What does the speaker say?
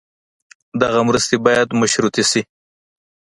دغه مرستې باید مشروطې شي.